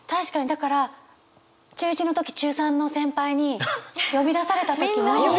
だから中１の時中３の先輩に呼び出された時も。